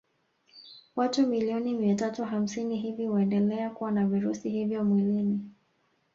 Watu milioni mia tatu hamsini hivi huendelea kuwa na virusi hivyo mwilini